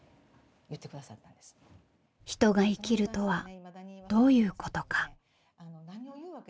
人が生きるとはどういうことか。